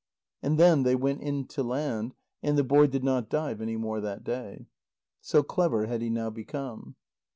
And then they went in to land, and the boy did not dive any more that day. So clever had he now become.